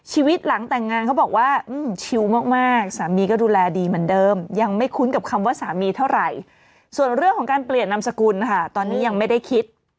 ชีวิตหลังแต่งงานเขาบอกว่าชิลมากสามีก็ดูแลดีเหมือนเดิมยังไม่คุ้นกับคำว่าสามีเท่าไหร่ส่วนเรื่องของการเปลี่ยนนามสกุลค่ะตอนนี้ยังไม่ได้คิด